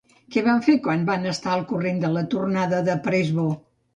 Què van fer quan va estar al corrent de la tornada de Presbó?